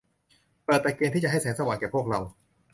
เปิดตะเกียงที่จะให้แสงสว่างแก่พวกเรา